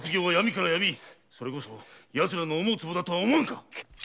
それこそやつらの思う壷だとは思わぬか！